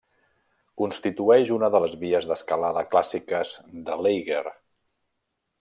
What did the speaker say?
Constitueix una de les vies d'escalada clàssiques de l'Eiger.